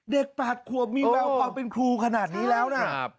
เด็กประหารครัวมีแวววานเป็นครูขนาดนี้แล้วนะ